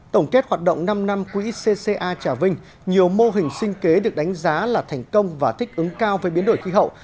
tổng kết hoạt động năm năm quỹ cca trà vinh nhiều mô hình sinh kế được đánh giá là thành công và thích ứng cao với biến đổi khí hậu